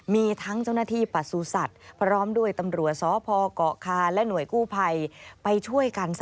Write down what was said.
มีทั้งเจ้าหน้าที่ประสุทธิ์พร้อมด้วยตำรวจสพเกาะคาและหน่วยกู้ภัยไปช่วยกัน